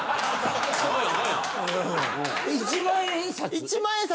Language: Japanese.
１万円札？